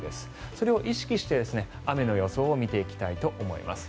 それを意識して、雨の予想を見ていきたいと思います。